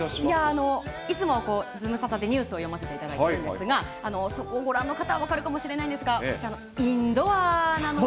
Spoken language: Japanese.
いつもはズムサタでニュースを読ませていただいているんですが、そこをご覧の方は分かるかもしれないですが、私、インドアなので。